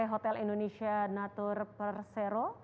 hotel indonesia natur persero